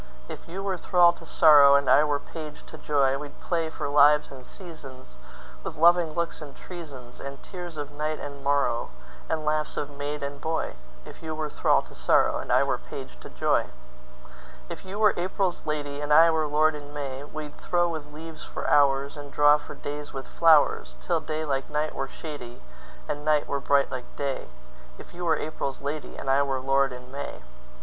If you were thrall to sorrow, And I were page to joy, We'd play for lives and seasonsWith loving looks and treasonsAnd tears of night and morrowAnd laughs of maid and boy; If you were thrall to sorrow, And I were page to joy. If you were April's lady, And I were lord in May, We'd throw with leaves for hoursAnd draw for days with flowers, Till day like night were shadyAnd night were bright like day; If you were April's lady, And I were lord in May.